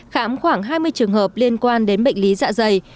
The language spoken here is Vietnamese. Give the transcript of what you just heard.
khám khoảng hai mươi trường hợp liên quan đến bệnh lý dạ dày